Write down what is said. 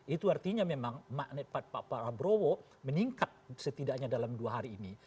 itu artinya memang magnet pak prabowo meningkat setidaknya dalam dua hari ini